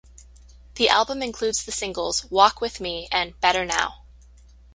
The album includes the singles "Walk with Me" and "Better Now".